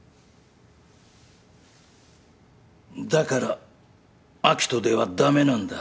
だから明人では駄目なんだ。